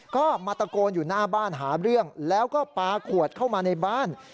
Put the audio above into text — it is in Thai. ก็มาตะโกนอยู่หน้าบ้านหาเรื่องแล้วก็ปลาขวดเข้ามาในบ้าน